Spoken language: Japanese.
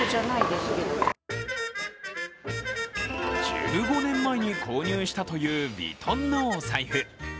１５年前に購入したというヴィトンのお財布。